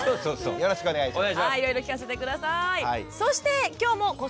よろしくお願いします